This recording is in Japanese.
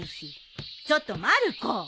・ちょっとまる子！